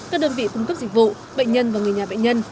các đơn vị cung cấp dịch vụ bệnh nhân và người nhà bệnh nhân